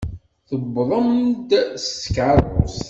Tuwḍemt-d s tkeṛṛust.